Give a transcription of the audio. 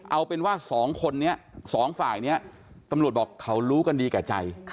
เอาเป็นว่าสองคนนี้สองฝ่ายนี้ตำรวจบอกเขารู้กันดีแก่ใจ